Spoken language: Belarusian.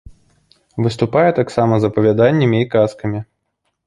Выступае таксама з апавяданнямі і казкамі.